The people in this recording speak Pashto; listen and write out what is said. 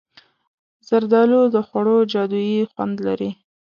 زردالو د خوړو جادويي خوند لري.